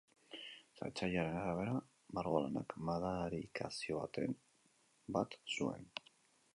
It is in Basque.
Saltzailearen arabera margolanak madarikazio baten bat zuen.